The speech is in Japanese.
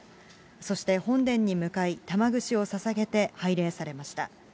そして本殿に向かい、玉串をささげて拝礼されました。